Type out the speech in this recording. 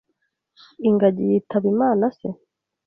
Ingagi yitaba imana se?